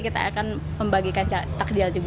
kita akan membagikan cat